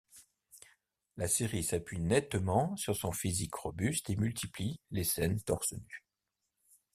La série s’appuie nettement sur son physique robuste et multiplie les scènes torse nu.